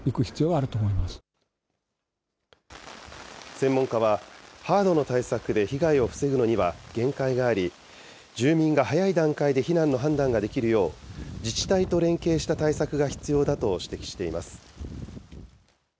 専門家はハードの対策で被害を防ぐのには限界があり、住民が早い段階で避難の判断ができるよう、自治体と連携した対策が必要だと指摘しています。